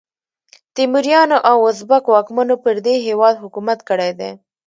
تیموریانو او ازبک واکمنو پر دې هیواد حکومت کړی دی.